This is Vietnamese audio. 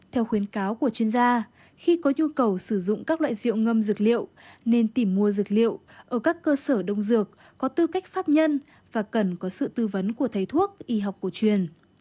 theo khuyến cáo của chuyên gia khi có nhu cầu sử dụng các loại rượu ngâm dược liệu nên tìm mua dược liệu ở các cơ sở đông dược có tư cách pháp nhân và cần có sự tư vấn của thầy thuốc y học cổ truyền